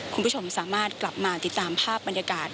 คุณผู้ชมสามารถกลับมาติดตามภาพบรรยากาศ